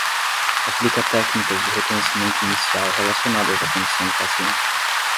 Aplica técnicas de reconhecimento inicial relacionadas à condição do paciente.